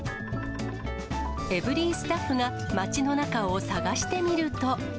エブリィスタッフが町の中を探してみると。